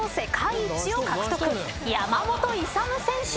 山本勇選手。